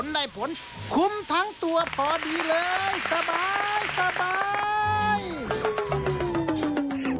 ได้ผลคุ้มทั้งตัวพอดีเลยสบาย